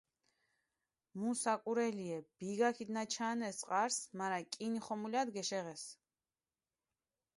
მუ საკურელიე, ბიგა ქიდჷნააჩანეს წყარსჷ, მარა კინი ხომულათ გეშეღესჷ.